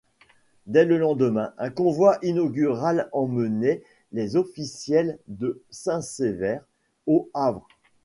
Dès le lendemain, un convoi inaugural emmenait les officiels de Saint-Sever au Havre.